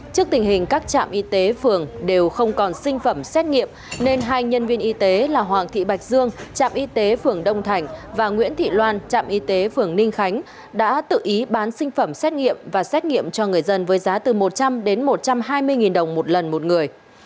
trước tình hình các trạm y tế phường đều không còn sinh phẩm xét nghiệm nên hai nhân viên y tế là hoàng thị bạch dương trạm y tế phường đông thành và nguyễn thị loan trạm y tế phường ninh khánh đã tự ý bán sinh phẩm xét nghiệm và xét nghiệm cho người dân với giá từ một trăm linh đến một trăm hai mươi đồng một lần một người